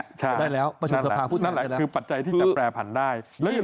บบใช่แล้วปัจจัยที่จะแปลผันได้